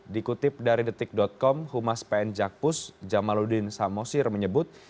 dikutip dari detik com humas pn jakpus jamaludin samosir menyebut